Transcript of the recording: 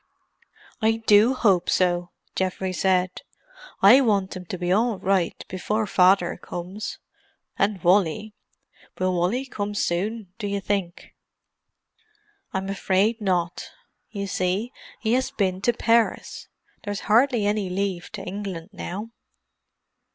"I do hope so," Geoffrey said. "I want them to be all right before Father comes—and Wally. Will Wally come soon, do you think?" "I'm afraid not: you see, he has been to Paris. There's hardly any leave to England now."